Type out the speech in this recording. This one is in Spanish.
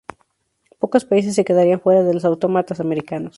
Pocos países se quedarían fuera de los autómatas americanos.